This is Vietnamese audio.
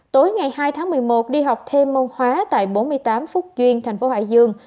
tối ngày hai tháng một mươi một đi học thêm môn hóa tại bốn mươi tám phúc duyên tp hcm